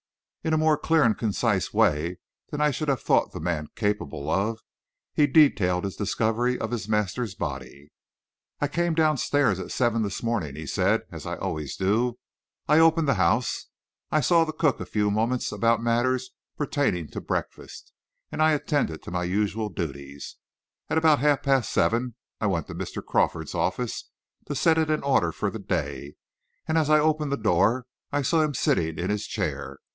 In a more clear and concise way than I should have thought the man capable of, he detailed his discovery of his master's body. "I came down stairs at seven this morning," he said, "as I always do. I opened the house, I saw the cook a few moments about matters pertaining to breakfast, and I attended to my usual duties. At about half past seven I went to Mr. Crawford's office, to set it in order for the day, and as I opened the door I saw him sitting in his chair.